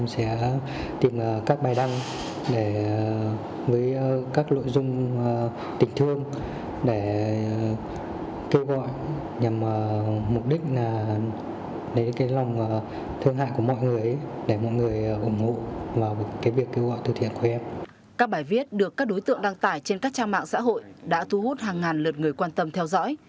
các bài viết được các đối tượng đăng tải trên các trang mạng xã hội đã thu hút hàng ngàn lượt người quan tâm theo dõi